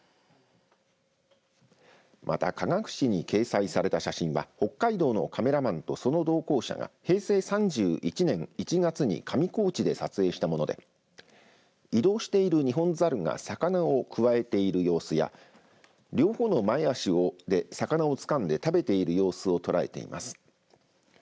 また、科学誌に掲載された写真は北海道のカメラマンとその同行者が平成３１年１月に上高地で撮影したもので移動しているニホンザルが魚をくわえている様子や両方の前足で魚をつかんで食べている様子を捉えています。